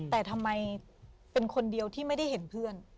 แต่ทำไมเป็นคนเดียวที่ไม่ได้เห็นเพื่อน